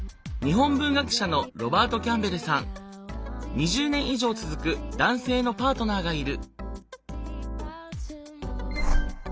２０年以上続く男性のパートナーがいる。